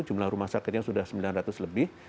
jumlah rumah sakitnya sudah sembilan ratus lebih